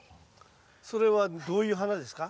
それはどういう花ですか？